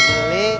gak jadi beli